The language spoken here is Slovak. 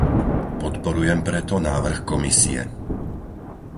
Podporujem preto návrh Komisie.